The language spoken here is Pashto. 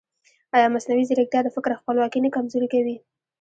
ایا مصنوعي ځیرکتیا د فکر خپلواکي نه کمزورې کوي؟